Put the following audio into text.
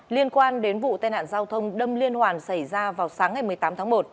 liên quan đến vụ tai nạn giao thông đâm liên hoàn xảy ra vào sáng ngày một mươi tám tháng một